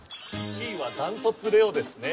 １位は断トツれおですね